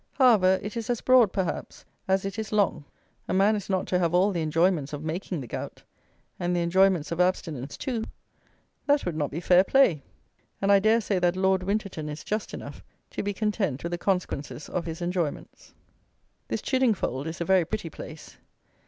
However, it is as broad, perhaps, as it is long: a man is not to have all the enjoyments of making the gout, and the enjoyments of abstinence too: that would not be fair play; and I dare say that Lord Winterton is just enough to be content with the consequences of his enjoyments. This Chiddingfold is a very pretty place.